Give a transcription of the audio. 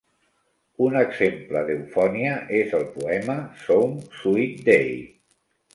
Un exemple d'eufonia és el poema "Some Sweet Day".